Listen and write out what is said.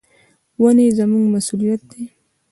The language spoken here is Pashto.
ونې زموږ مسؤلیت دي.